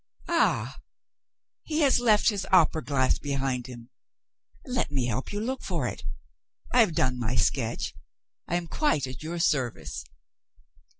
"Ah! he has left his opera glass behind him? Let me help you to look for it. I have done my sketch; I am quite at your service."